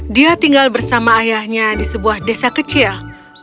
dia tinggal bersama ayahnya di sebuah desa kecil